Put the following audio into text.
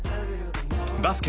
バスケ